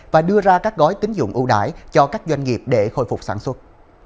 và đưa ra các gói tính dụng ưu đại cho các doanh nghiệp để khôi phục sản xuất